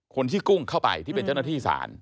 กุ้งเข้าไปที่เป็นเจ้าหน้าที่ศาล